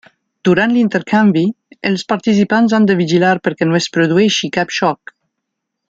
Durant l'intercanvi, els participants han de vigilar perquè no es produeixi cap xoc.